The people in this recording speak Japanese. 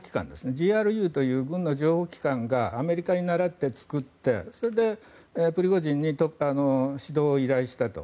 ＧＲＵという軍の情報機関がアメリカに倣って作ってそれでプリゴジンに指導を依頼したと。